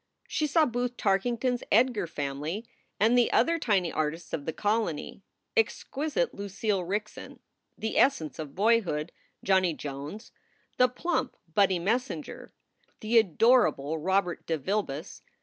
She saw Booth Tarkington s "Edgar" family and the other tiny artists of the colony; exquisite Lucille Ricksen; the essence of boyhood, Johnny Jones; the plump Buddy Messenger; the adorable Robert de Vilbiss.